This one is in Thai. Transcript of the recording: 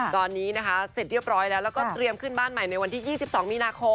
ตอนนี้นะคะเสร็จเรียบร้อยแล้วแล้วก็เตรียมขึ้นบ้านใหม่ในวันที่๒๒มีนาคม